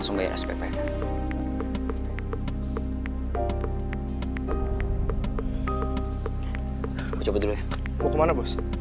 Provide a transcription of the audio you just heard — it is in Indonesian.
mau kemana bos